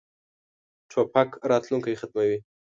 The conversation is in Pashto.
توپک راتلونکی ختموي.